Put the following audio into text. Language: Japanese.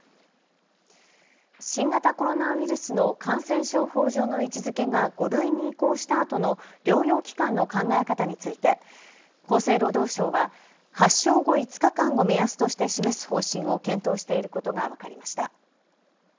新型コロナウイルスの感染症法上の位置づけが５類に移行したあとの療養期間の考え方について厚生労働省は発症後５日間を目安として示す方針を検討していることが分かりました。